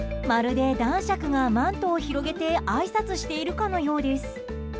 まるで男爵がマントを広げてあいさつしているかのようです。